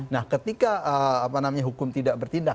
nah ketika apa namanya hukum tidak bertindak